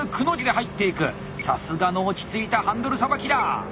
さすがの落ち着いたハンドルさばきだ！